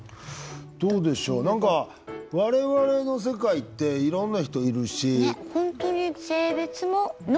どうでしょう何か我々の世界っていろんな人いるし。